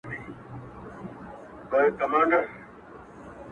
ته به د غم يو لوى بيابان سې گرانــــــي”